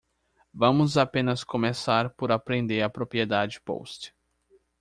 Vamos apenas começar por apreender a propriedade Post.